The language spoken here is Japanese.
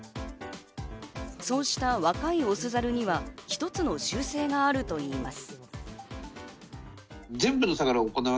そうした若いオスザルには一つの習性があるといいます。